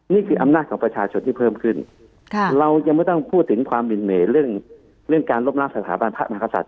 นี่คืออำนาจของประชาชนที่เพิ่มขึ้นเรายังไม่ต้องพูดถึงความหินเหมเรื่องการลบล้างสถาบันพระมหากษัตว